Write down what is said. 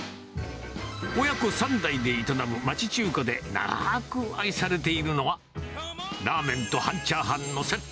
親子３代で営む町中華で、長ーく愛されているのは、ラーメンと半チャーハンのセット。